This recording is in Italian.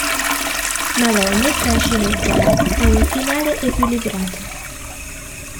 Malone trascina i Jazz ad un finale equilibrato.